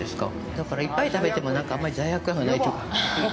だから、いっぱい食べてもあんまり罪悪感がないというか。